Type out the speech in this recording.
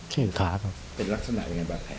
เป็นลักษณะยังไงบาดแผลครับ